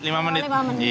sini sama keluarga ya